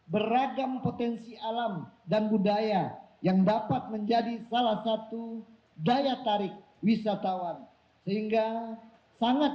beragam potensi alam dan budaya yang dapat menjadi salah satu daya tarik wisatawan sehingga sangat